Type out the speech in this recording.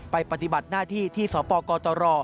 ปฏิบัติหน้าที่ที่สปกตร